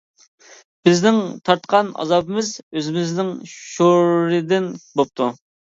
بىزنىڭ تارتقان ئازابىمىز ئۆزىمىزنىڭ شورىدىن بوپتۇ.